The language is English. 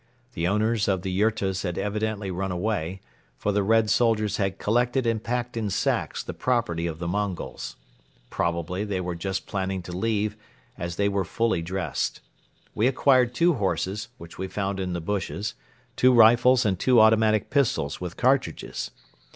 The owners of the yurtas had evidently run away, for the Red soldiers had collected and packed in sacks the property of the Mongols. Probably they were just planning to leave, as they were fully dressed. We acquired two horses, which we found in the bushes, two rifles and two automatic pistols with cartridges.